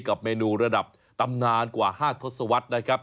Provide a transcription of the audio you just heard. กับเมนูระดับตำนานกว่า๕ทศวรรษนะครับ